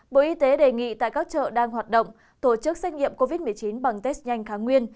bộ y tế đề nghị tại các chợ đang hoạt động tổ chức xét nghiệm covid một mươi chín bằng test nhanh kháng nguyên